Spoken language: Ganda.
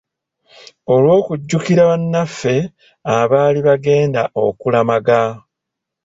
Olw'okujjukira banaffe abaali baagenda okulamaga.